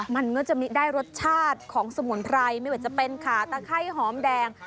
มันก็จะได้รสชาติของสมุนไพรไม่ว่าจะเป็นขาตะไข้หอมแดง